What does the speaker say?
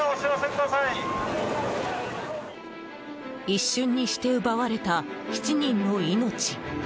一瞬にして奪われた７人の命。